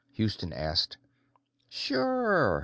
Houston asked. "Sure.